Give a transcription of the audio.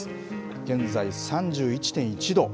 現在３１．１度。